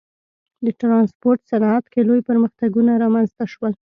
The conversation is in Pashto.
د ټرانسپورت صنعت کې لوی پرمختګونه رامنځته شول.